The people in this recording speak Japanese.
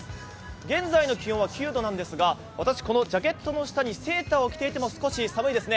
現在の気温は９度なんですが、私、このジャケットの下にセーターを着ていても少し寒いですね。